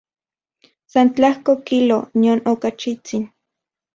San tlajko kilo, nion okachitsin.